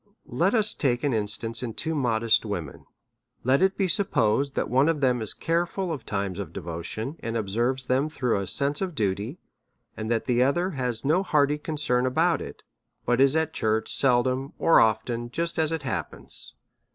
Let us take an instance in two modest women : Let it be supposed that one of them is care ful of times of devotion, and observes them through a sense of duty, and that the other has no hearty con cern about it, but is at church seldom or often, just as it happens.